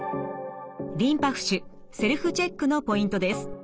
リンパ浮腫セルフチェックのポイントです。